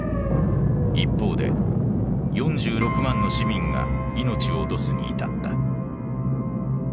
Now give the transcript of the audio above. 一方で４６万の市民が命を落とすに至った。